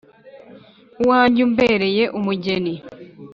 uwanjye umbereye umugeni!